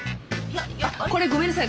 これごめんなさい。